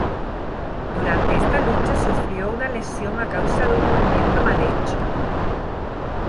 Durante esta lucha sufrió una lesión a causa de un movimiento mal hecho.